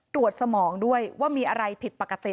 สมองด้วยว่ามีอะไรผิดปกติ